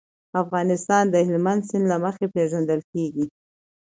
افغانستان د هلمند سیند له مخې پېژندل کېږي.